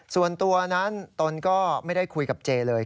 ส่วนตัวนั้นตนก็ไม่ได้คุยกับเจเลย